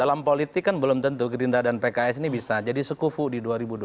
dalam politik kan belum tentu gerindra dan pks ini bisa jadi sekufu di dua ribu dua puluh